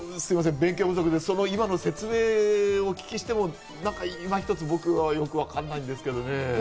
勉強不足で、今の説明をお聞きしても今ひとつ僕はよく分かんないんですけどね。